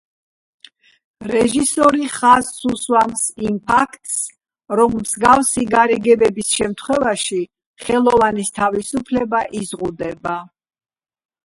რეჟისორი ხაზს უსვამს იმ ფაქტს, რომ მსგავსი გარიგებების შემთხვევაში ხელოვანის თავისუფლება იზღუდება.